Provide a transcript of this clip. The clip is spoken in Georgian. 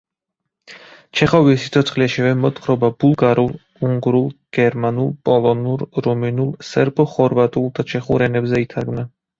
ჩეხოვის სიცოცხლეშივე მოთხრობა ბულგარულ, უნგრულ, გერმანულ, პოლონურ, რუმინულ, სერბო-ხორვატულ და ჩეხურ ენებზე ითარგმნა.